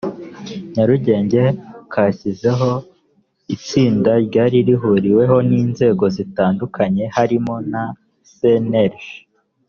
nyarugenge kashyizeho itsinda ryari rihuriweho n’inzego zitandukanye harimo na cnlg